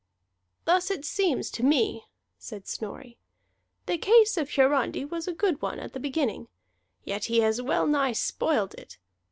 "Thus it seems to me," said Snorri. "The case of Hiarandi was a good one at the beginning, yet he has well nigh spoiled it.